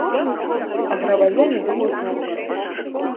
А грамадзяне думаюць наадварот.